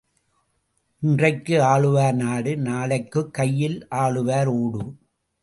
இன்றைக்கு ஆளுவார் நாடு நாளைக்குக் கையில் ஆளுவார் ஓடு.